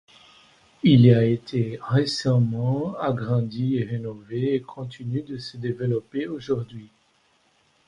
Il a été récemment agrandi et rénové, et continue de se développer aujourd'hui.